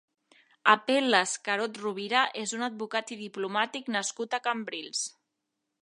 Apel·les Carod-Rovira és un advocat i diplomàtic nascut a Cambrils.